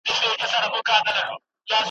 ارغوان او هر ډول ښکلیو .